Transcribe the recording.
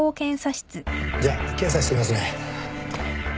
じゃ検査していきますね